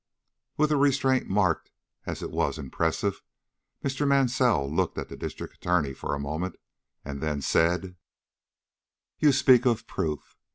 With a restraint marked as it was impressive, Mr. Mansell looked at the District Attorney for a moment, and then said: "You speak of proof.